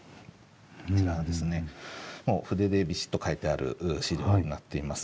こちらはですねもう筆でビシッと書いてある資料になっています。